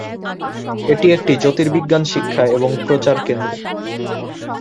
এটি একটি জ্যোতির্বিজ্ঞান শিক্ষা এবং প্রচার কেন্দ্র।